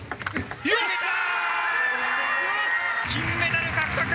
よし、金メダル獲得！